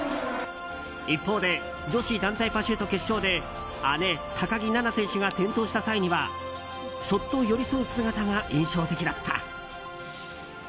一方で女子団体パシュート決勝で姉・高木菜那選手が転倒した際にはそっと寄り添う姿が印象的だった。